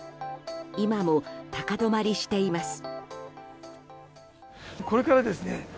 今も、高止まりしています。